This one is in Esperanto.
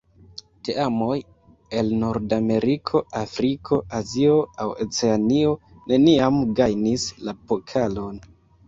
Teamoj el Nordameriko, Afriko, Azio aŭ Oceanio neniam gajnis la pokalon.